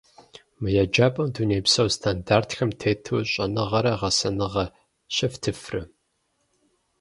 Мы еджапӏэм дунейпсо стандартхэм тету щӏэныгъэрэ гъэсэныгъэ щефтыфрэ?